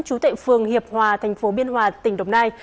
chú tệ phường hiệp hòa tp biên hòa tỉnh đồng nai